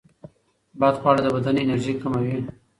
بدخواړه د بدن انرژي کموي.